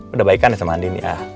udah baik kan ya sama andin ya